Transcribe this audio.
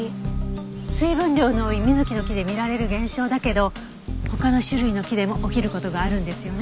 水分量の多いミズキの木で見られる現象だけど他の種類の木でも起きる事があるんですよね。